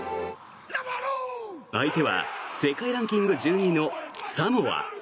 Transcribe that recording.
相手は世界ランキング１２位のサモア。